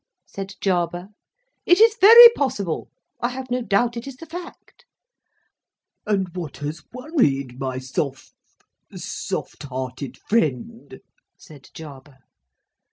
said Jarber. "It is very possible. I have no doubt it is the fact." "And what has worried my Soph , soft hearted friend," said Jarber.